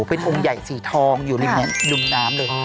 เป็นองค์ใหญ่สีทองอยู่ริมน้ำเลย